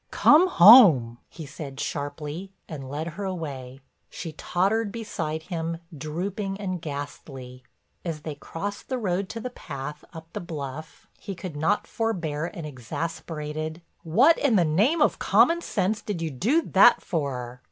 "Come home," he said, sharply, and led her away. She tottered beside him, drooping and ghastly. As they crossed the road to the path up the bluff he could not forbear an exasperated: "What in the name of common sense did you do that for?